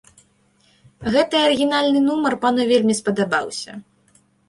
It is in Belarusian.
Гэты арыгінальны нумар пану вельмі спадабаўся.